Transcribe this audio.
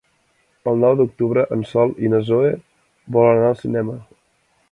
El nou d'octubre en Sol i na Zoè volen anar al cinema.